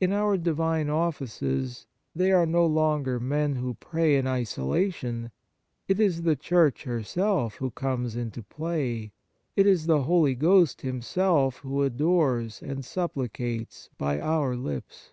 In our divine offices, they are no longer men who pray in isolation, it is the Church herself who comes into play, it is the Holy Ghost Himself who adores and supplicates by our lips.